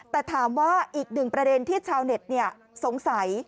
แต่ถามว่าอีกหนึ่งประเด็นที่ชาวเน็ตสงสัย